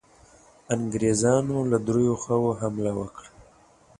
انګرېزانو له دریو خواوو حمله وکړه.